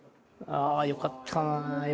ああよかったな。